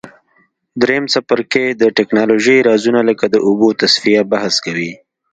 دریم څپرکی د تکنالوژۍ رازونه لکه د اوبو تصفیه بحث کوي.